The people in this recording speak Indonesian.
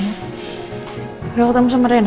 udah ketemu sama rena